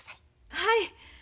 はい。